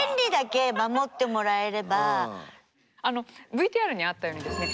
ＶＴＲにあったようにですね